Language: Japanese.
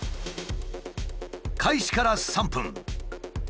開始から３分。